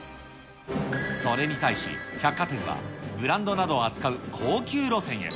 それに対し、百貨店はブランドなどを扱う高級路線へ。